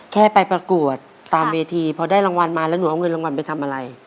แค่ไปประกวดตามเวทีพอได้รางวัลมาแล้วหนูเอาเงินรางวัลไปทำอะไร